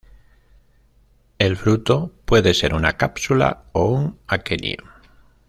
El fruto puede ser una cápsula o un aquenio.